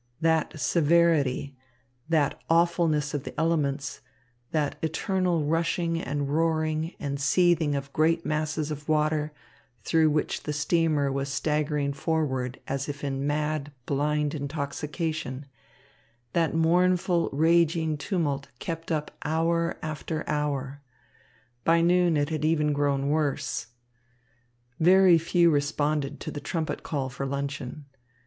That severity, that awfulness of the elements, that eternal rushing and roaring and seething of great masses of water, through which the steamer was staggering forward as if in mad, blind intoxication, that mournful, raging tumult kept up hour after hour. By noon it had even grown worse. Very few responded to the trumpet call for luncheon.